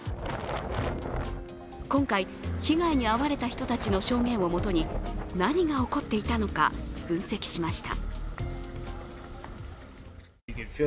今回被害に遭われた人たちの証言をもとに何が起こっていたのか分析しました。